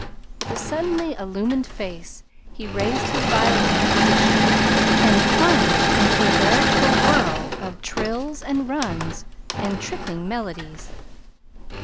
With a suddenly illumined face, he raised his violin to position and plunged into a veritable whirl of trills and runs and tripping melodies.